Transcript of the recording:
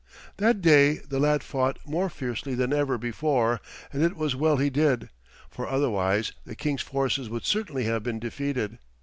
That day the lad fought more fiercely than ever before, and it was well he did, for otherwise the King's forces would certainly have been defeated.